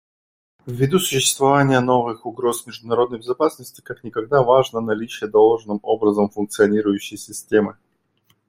Ввиду существования новых угроз международной безопасности как никогда важно наличие должным образом функционирующей системы.